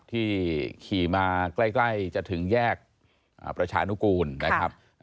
ที่ขี่มาใกล้จะถึงแยกประชานุกูลนะครับ